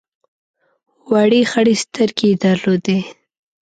وړې خړې سترګې یې درلودې.